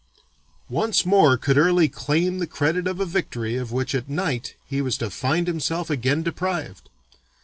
Once more could Early claim the credit of a victory of which at night he was to find himself again deprived.